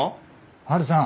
ハルさん。